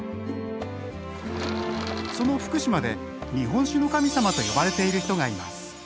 その福島で「日本酒の神様」と呼ばれている人がいます